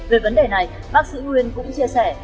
về vấn đề này bác sĩ nguyên cũng chia sẻ